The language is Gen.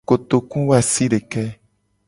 Kotokuwoasideke.